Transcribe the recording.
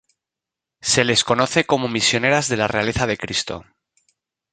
Se les conoce como Misioneras de la Realeza de Cristo.